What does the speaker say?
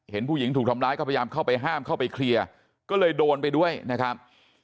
เห็นผู้หญิงถูกทำร้ายก็พยายามเข้าไปห้ามเข้าไปเคลียร์ก็เลยโดนไปด้วยนะครับ